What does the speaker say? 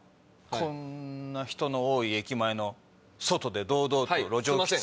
こんな人の多い駅前の外で堂々と路上喫煙。